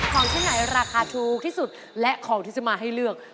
ของที่ไหนราคาถูกที่สุดและของที่จะมาให้เลือก